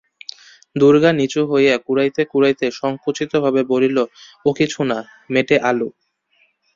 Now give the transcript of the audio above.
দুর্গা নিচু হইয়া কুড়াইতে কুড়াইতে সংকুচিতভাবে বলিল, ও কিছু না, মেটে আলু।